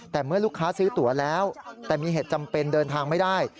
แต่เมื่อลูกค้าซื้อตัวแล้วแต่มีเหตุจำเป็นเดินทางไม่ได้